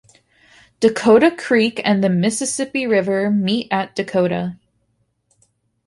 Dakota Creek and the Mississippi River meet at Dakota.